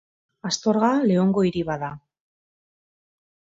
Astorga Leongo hiri bat da.